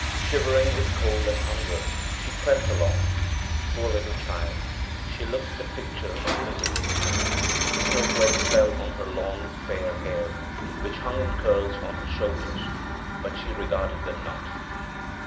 Shivering with cold and hunger, she crept along; poor little child, she looked the picture of misery. The snowflakes fell on her long, fair hair, which hung in curls on her shoulders, but she regarded them not.